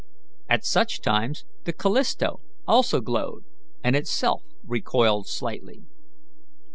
At such times the Callisto also glowed, and itself recoiled slightly.